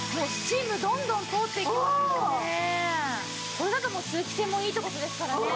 これだと通気性もいいって事ですからね。